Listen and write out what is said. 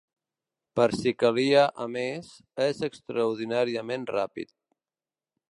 Per si calia, a més, és extraordinàriament ràpid.